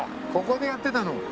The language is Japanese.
ここでやってたの。